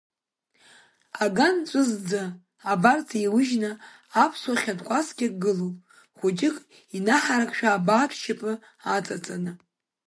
Аган ҵәызӡа, абарҵа еиужьны, ԥсуа хьатә кәасқьак гылоуп, хәыҷык инаҳаракшәа, абаатә шьапқәа аҵаҵаны.